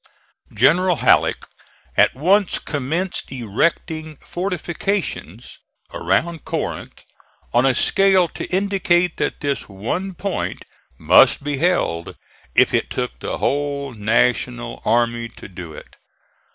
General Halleck at once commenced erecting fortifications around Corinth on a scale to indicate that this one point must be held if it took the whole National army to do it.